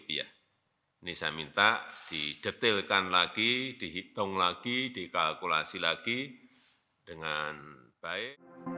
ini saya minta didetailkan lagi dihitung lagi dikalkulasi lagi dengan baik